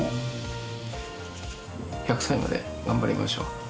１００歳まで頑張りましょう。